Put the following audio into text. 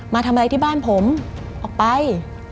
มาทำอะไรที่บ้านผมออกไป